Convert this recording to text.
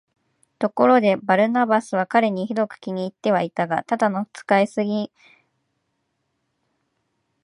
ところで、バルナバスは彼にひどく気に入ってはいたが、ただの使いにすぎないのだ、ということを思い出し、この男にビールをやるように命じた。